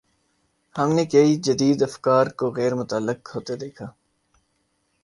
ہم نے کئی جدید افکار کو غیر متعلق ہوتے دیکھا ہے۔